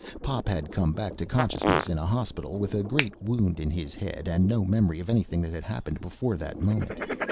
Pop had come back to consciousness in a hospital with a great wound in his head and no memory of anything that had happened before that moment.